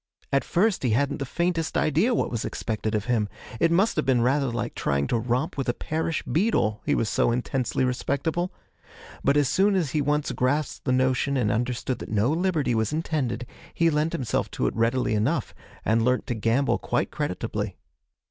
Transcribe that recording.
At first he hadn't the faintest idea what was expected of him; it must have been rather like trying to romp with a parish beadle, he was so intensely respectable! But as soon as he once grasped the notion and understood that no liberty was intended, he lent himself to it readily enough and learnt to gambol quite creditably.